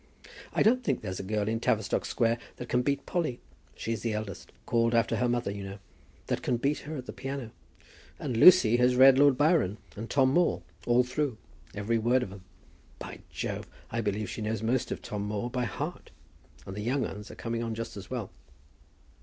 "I don't think there's a girl in Tavistock Square that can beat Polly, she's the eldest, called after her mother, you know; that can beat her at the piano. And Lucy has read Lord Byron and Tom Moore all through, every word of 'em. By Jove, I believe she knows most of Tom Moore by heart. And the young uns are coming on just as well."